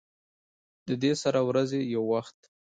د دې سره د ورځې يو وخت